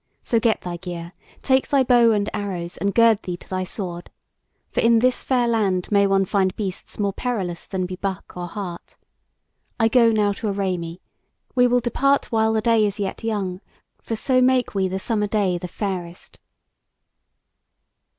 So get thy gear; take thy bow and arrows, and gird thee to thy sword. For in this fair land may one find beasts more perilous than be buck or hart. I go now to array me; we will depart while the day is yet young; for so make we the summer day the fairest."